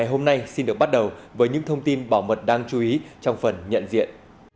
hôm nay xin được bắt đầu với những thông tin bảo mật đáng chú ý trong phần nhận diện